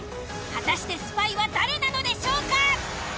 果たしてスパイは誰なのでしょうか？